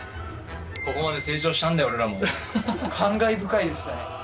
ここまで成長したんだよ、感慨深いですね。